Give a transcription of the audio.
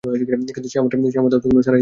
কিন্তু সে আমার দাওয়াতে কোন সাড়াই দিল না।